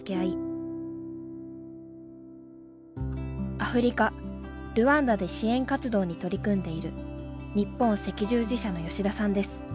アフリカルワンダで支援活動に取り組んでいる日本赤十字社の吉田さんです。